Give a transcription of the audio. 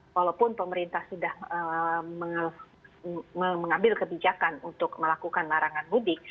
walaupun pemerintah sudah mengambil kebijakan untuk melakukan larangan mudik